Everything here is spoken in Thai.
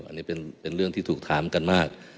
อันนี้เป็นเรื่องที่ถูกถามกันมาก